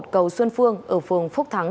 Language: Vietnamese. cầu xuân phương ở phường phúc thắng